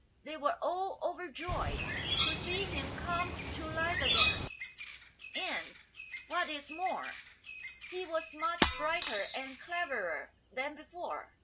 They were all overjoyed to see him come to life again ; and, what is more, he was much brighter and cleverer than before.